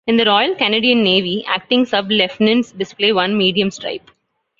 In the Royal Canadian Navy, acting sub-lieutenants display one medium stripe.